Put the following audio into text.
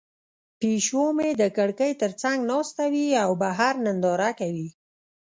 پیشو مې د کړکۍ تر څنګ ناسته وي او بهر ننداره کوي.